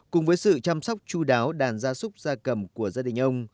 cùng với sự chăm sóc chú đáo đàn gia súc gia cầm của gia đình ông